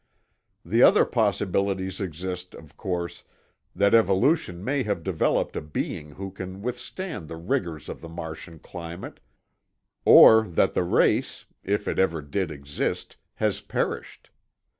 The other possibilities exist, of course, that evolution may have developed a being who can withstand the rigors of the Martian climate, or that the race—if it ever did exist—has perished.